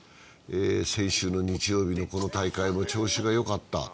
先週の日曜日のこの大会も調子がよかった。